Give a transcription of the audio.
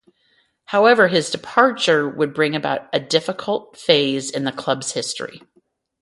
However, his departure would bring about a difficult phase in the club's history.